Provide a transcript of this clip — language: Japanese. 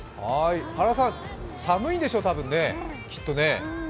原さん、寒いんでしょう、きっとね。